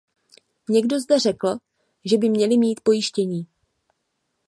Někdo zde řekl, že by měly mít pojištění.